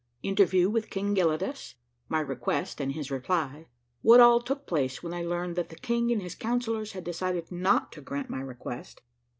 — INTERVIEW WITH KING GELIDUS. — MY REQUEST AND HIS REPLY. — WHAT ALL TOOK PLACE WHEN I LEARNED THAT THE KING AND HIS COUNCILLORS HAD DECIDED NOT TO GRANT MY REQUEST.